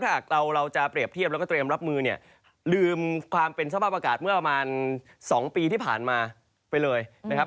ถ้าหากเราเราจะเปรียบเทียบแล้วก็เตรียมรับมือเนี่ยลืมความเป็นสภาพอากาศเมื่อประมาณ๒ปีที่ผ่านมาไปเลยนะครับ